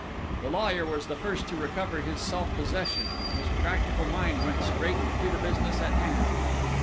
The lawyer was the first to recover his self possession; his practical mind went straight to the business at hand.